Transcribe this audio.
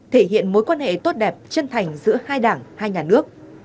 thể hiện mối quan hệ tốt đẹp chân thành giữa hai đảng hai nhà nước